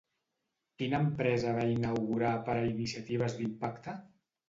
Quina empresa va inaugurar per a iniciatives d'impacte?